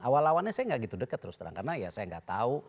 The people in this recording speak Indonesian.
awal awalnya saya nggak gitu deket terus terang karena ya saya nggak tahu